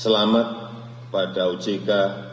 selamat pada ojk